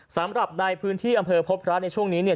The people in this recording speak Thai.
สำหรับในพื้นที่อำเภอพบพระในช่วงนี้เนี่ย